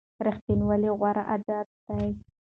ریښتینولي غوره عادت دی.